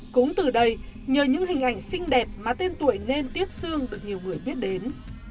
cũng từ đây nhờ những hình ảnh xinh đẹp mà tên tuổi nên tiếc sương được nhiều người biết đến